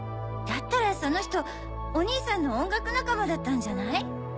だったらその人お兄さんの音楽仲間だったんじゃない？